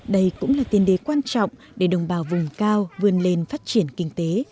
đây cũng là tiền đề quan trọng để đồng bào vùng cao vươn lên phát triển kinh tế